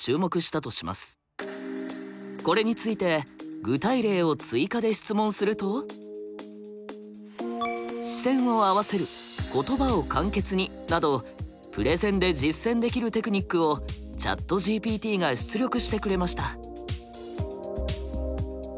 これについて具体例を追加で質問すると。などプレゼンで実践できるテクニックをＣｈａｔＧＰＴが出力してくれました。